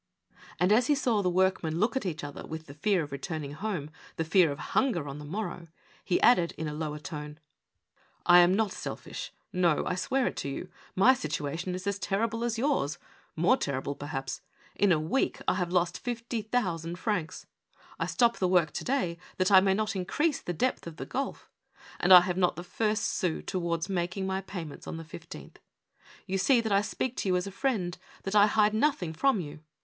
And, as he saw the workmen look at each other, with the fear of returning home, the fear of hunger on the morrow, he added, in a lower tone : (325) 826 OUT OF WORK. "1 am not selfisli — I swear it to you! My situa tion is as terrible as yours — more terrible, perhaps. In a week I have lost fifty thousand francs. I stop the work to day that I may not increase the depth of the gulf, and I have not the first sou towards making my payments on the 15th. Ycu see that I speak to you as a friend — that I hide nothing from you.